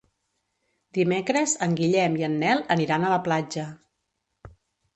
Dimecres en Guillem i en Nel aniran a la platja.